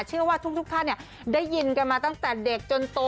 เชื่อว่าทุกท่านได้ยินกันมาตั้งแต่เด็กจนโต